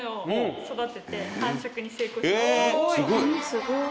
すごい。